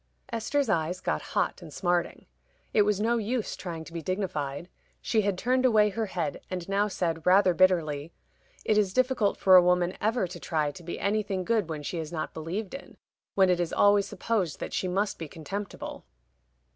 Esther's eyes got hot and smarting. It was no use trying to be dignified. She had turned away her head, and now said, rather bitterly, "It is difficult for a woman ever to try to be anything good when she is not believed in when it is always supposed that she must be contemptible."